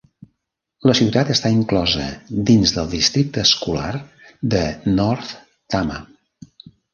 La ciutat està inclosa dins del districte escolar de North Tama.